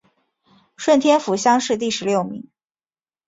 顺天府乡试第十六名。